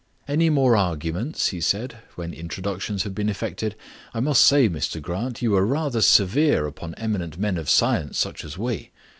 "Any more arguments?" he said, when introductions had been effected. "I must say, Mr Grant, you were rather severe upon eminent men of science such as we.